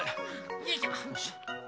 よいしょ。